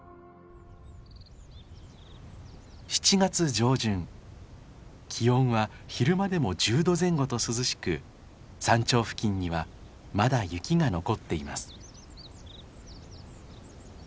７月上旬気温は昼間でも１０度前後と涼しく山頂付近にはまだ雪が残っています。